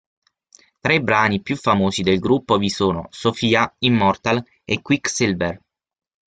Tra i brani più famosi del gruppo vi sono "Sophia", "Immortal" e "Quicksilver".